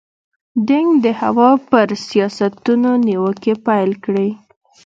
دینګ د هوا پر سیاستونو نیوکې پیل کړې.